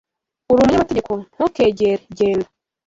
Uri umunyamategeko? ntukegere! Genda